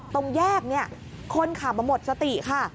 ตรงแยกคนขับจะหมดสติค่ะ